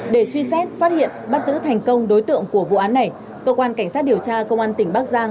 để truy xét phát hiện bắt giữ thành công đối tượng của vụ án này cơ quan cảnh sát điều tra công an tỉnh bắc giang